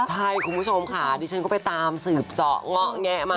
ใช่คุณผู้ชมค่ะดิฉันก็ไปตามสืบเจาะเงาะแงะมา